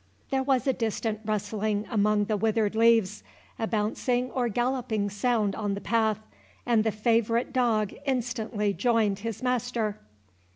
There was a distant rustling among the withered leaves, a bouncing or galloping sound on the path, and the favourite dog instantly joined his master.